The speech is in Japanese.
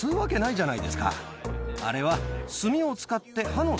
あれは。